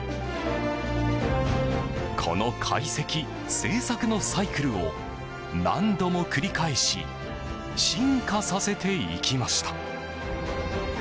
この解析・製作のサイクルを何度も繰り返し進化させていきました。